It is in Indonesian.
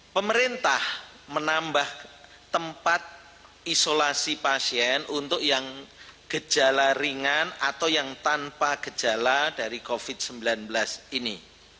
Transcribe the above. pemerintah menambah tempat isolasi pasien untuk yang gejala ringan atau yang tanpa gejala dari covid sembilan belas ini